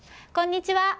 こんにちは